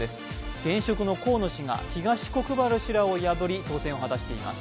現職の河野氏が東国原氏らを破り当選を果たしています。